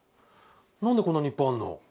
何でこんなにいっぱいあんの？